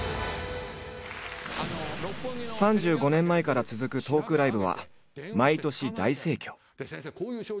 ３５年前から続くトークライブは毎年大盛況。